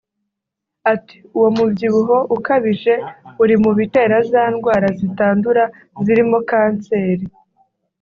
Ati “Uwo mubyibuho ukabije uri mu bitera za ndwara zitandura zirimo kanseri